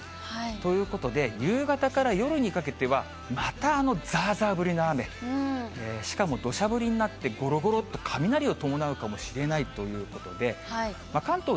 ということで、夕方から夜にかけては、またざーざー降りの雨、しかもどしゃ降りになって、ごろごろっと雷を伴うかもしれないということで、関東、